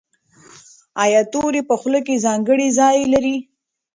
ایا توری په خوله کې ځانګړی ځای لري؟